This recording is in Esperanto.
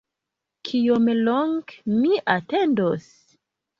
Kiom longe mi atendos?